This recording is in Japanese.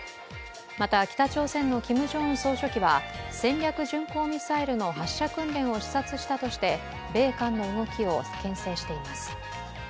また北朝鮮のキム・ジョンウン総書記は戦略巡航ミサイルの発射訓練を視察したとして米韓の動きをけん制しています。